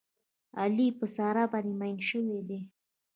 علي په ساره باندې مین شوی دی.